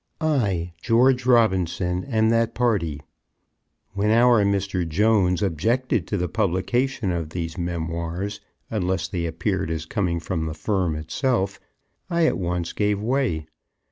I George Robinson am that party. When our Mr. Jones objected to the publication of these memoirs unless they appeared as coming from the firm itself, I at once gave way.